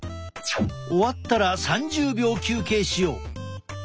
終わったら３０秒休憩しよう。